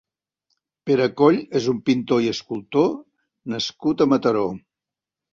Perecoll és un pintor i escultor nascut a Mataró.